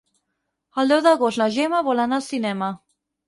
El deu d'agost na Gemma vol anar al cinema.